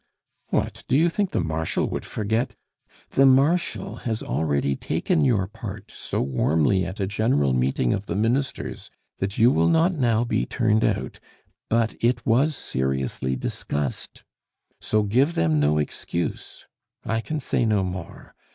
"What, do you think the Marshal would forget " "The Marshal has already taken your part so warmly at a General Meeting of the Ministers, that you will not now be turned out; but it was seriously discussed! So give them no excuse. I can say no more.